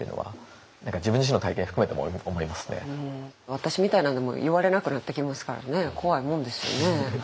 私みたいなんでも言われなくなってきますからね怖いもんですよね。